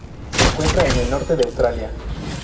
Se encuentra en el norte de Australia.